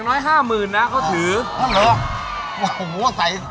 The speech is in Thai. แล้วซื้อมาให้